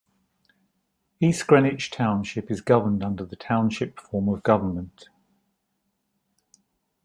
East Greenwich Township is governed under the Township form of government.